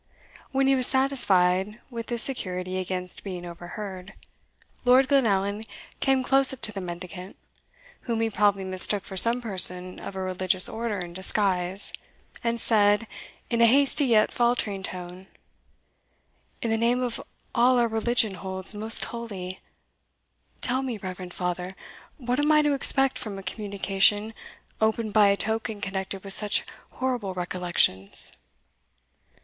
When he was satisfied with this security against being overheard, Lord Glenallan came close up to the mendicant, whom he probably mistook for some person of a religious order in disguise, and said, in a hasty yet faltering tone, "In the name of all our religion holds most holy, tell me, reverend father, what am I to expect from a communication opened by a token connected with such horrible recollections?"